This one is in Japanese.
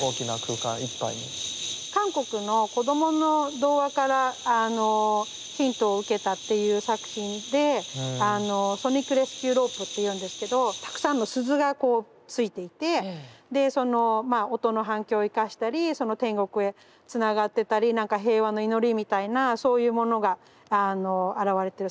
韓国の子供の童話からヒントを受けたっていう作品で「ソニックレスキューロープ」って言うんですけどたくさんの鈴がこうついていてでそのまあ音の反響を生かしたり天国へつながってたり何か平和の祈りみたいなそういうものが表れてる作品だと思います。